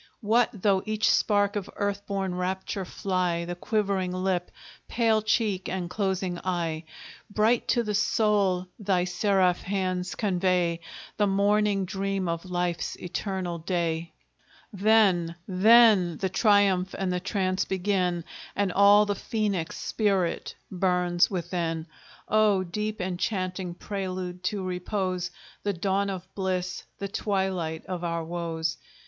What though each spark of earth born rapture fly The quivering lip, pale cheek, and closing eye, Bright to the soul thy seraph hands convey The morning dream of life's eternal day Then, then the triumph and the trance begin, And all the phoenix spirit burns within! Oh deep enchanting prelude to repose, The dawn of bliss, the twilight of our woes!